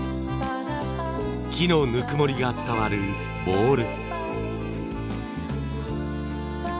木のぬくもりが伝わるボウル。